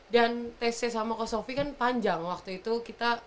dan testnya sama kak sophie kan panjang waktu itu kita